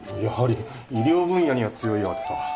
やはり医療分野には強いわけか。